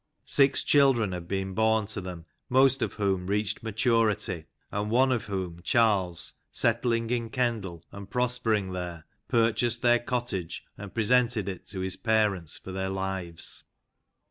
Six children had been born to them, most of whom reached maturity, and one of whom, Charles, settling in Kendal, and prospering there, purchased their cottage, and presented it to his parents for their lives.